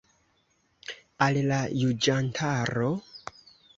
Al la juĝantaro?